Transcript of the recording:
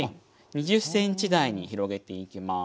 ２０ｃｍ台に広げていきます。